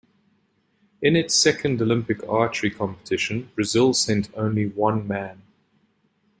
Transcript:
In its second Olympic archery competition, Brazil sent only one man.